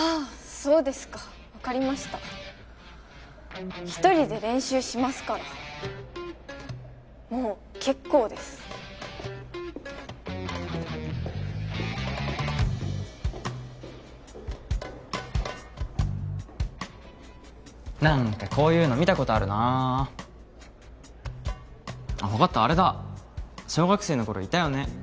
そうですか分かりました一人で練習しますからもう結構です何かこういうの見たことあるなああっ分かったあれだ小学生の頃いたよね